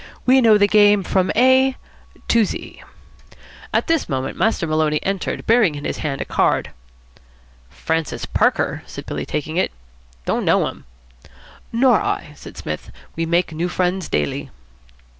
We know the game from A to Z." At this moment Master Maloney entered, bearing in his hand a card. "'Francis Parker'?" said Billy, taking it. "Don't know him." "Nor I," said Psmith. "We make new friends daily."